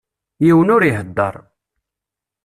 Yiwen ur ihedder.